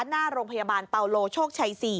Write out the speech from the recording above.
หน้าโรงพยาบาลเปาโลโชคชัย๔